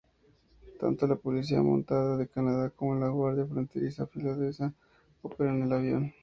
Tanto la Policía Montada de Canadá como la Guardia Fronteriza Finlandesa operan el avión.